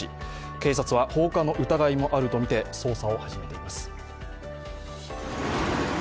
警察は放火の疑いもあるとみて捜査を始めています。